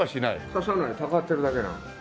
刺されないたかってるだけなの。